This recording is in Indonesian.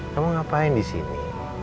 kamu ngapain di sini